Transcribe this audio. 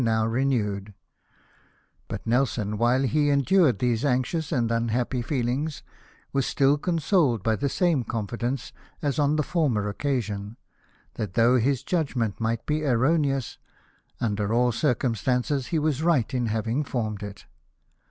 285 now renewed ; but Nelson, while he endured these anxious and unhappy feelings, was still consoled by the same confidence as on the former occasion, that, though his judgment might be erroneous, under all circumstances he was right in having formed it.